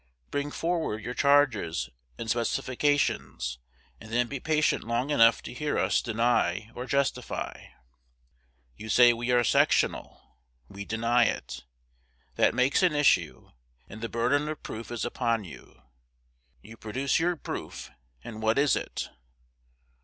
Bring forward your charges and specifications, and then be patient long enough to hear us deny or justify. You say we are sectional. We deny it. That makes an issue; and the burden of proof is upon you. You produce your proof; and what is it?